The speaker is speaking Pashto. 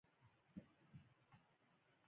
له یو ځای نه له بل هېواد سره خبرې کوي.